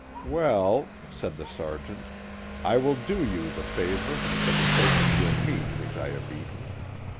" Well," said the sergeant, " 1 will do you the favor for the sake of your meat which I have eaten."